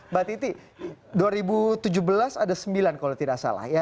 mbak titi dua ribu tujuh belas ada sembilan kalau tidak salah ya